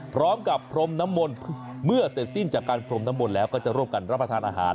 พร้อมกับพรมน้ำมนต์เมื่อเสร็จสิ้นจากการพรมน้ำมนต์แล้วก็จะร่วมกันรับประทานอาหาร